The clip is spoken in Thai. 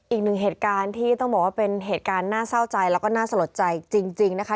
อีกหนึ่งเหตุการณ์ที่ต้องบอกว่าเป็นเหตุการณ์น่าเศร้าใจแล้วก็น่าสลดใจจริงนะคะ